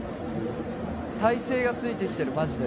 耐性がついてきてるマジで。